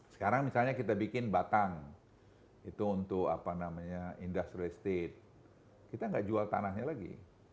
sekarang misalnya kita bikin batang itu untuk apa namanya industri state kita nggak jual tanahnya lagi